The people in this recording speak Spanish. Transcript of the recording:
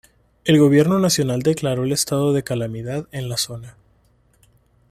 El gobierno nacional declaró el estado de calamidad en la zona.